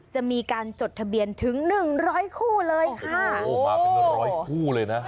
จะมีการจดทะเบียนถึง๑๐๐คู่เลยค่ะโอ้โหมาเป็น๑๐๐คู่เลยนะ